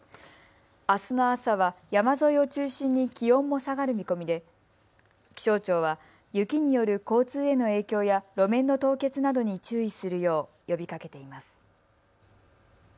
あすの朝は山沿いを中心に気温も下がる見込みで気象庁は雪による交通への影響や路面の凍結などに注意するよう呼びかけています。